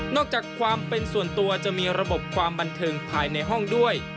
จากความเป็นส่วนตัวจะมีระบบความบันเทิงภายในห้องด้วย